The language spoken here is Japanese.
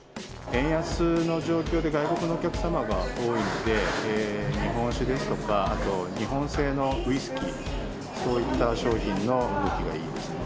円安の状況で外国のお客様が多いので、日本酒ですとか、あと日本製のウイスキー、そういった商品の動きがいいですね。